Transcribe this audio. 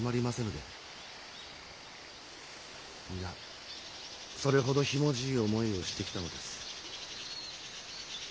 皆それほどひもじい思いをしてきたのです。